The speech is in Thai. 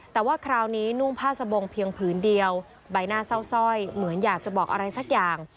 แต่ว่าคราวนี้นุ่งผ้าสบงเพียงผืนเดียวใบหน้าเศร้าสร้อยเหมือนอยากจะบอกอะไรสักอย่าง